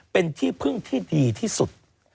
เป็นที่พึ่งที่ดีที่สุด